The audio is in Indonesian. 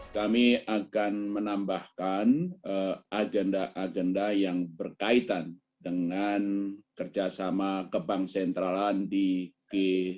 kami akan menambahkan agenda agenda yang berkaitan dengan kerjasama kebang sentralan di g dua puluh